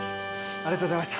ありがとうございます。